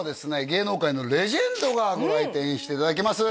芸能界のレジェンドがご来店していただけます